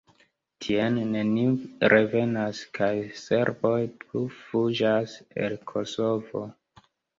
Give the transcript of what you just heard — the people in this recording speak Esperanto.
Tien neniu revenas, kaj serboj plu fuĝas el Kosovo.